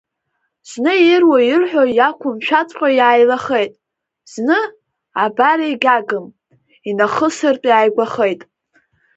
Зны ируа-ирҳәо иақәымшәаҵәҟьо иааилахеит, зны, абар егьагым, инахьысыртә иааигәахеит…